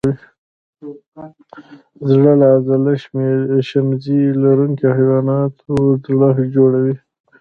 د زړه عضله د شمزۍ لرونکو حیواناتو زړه جوړوي.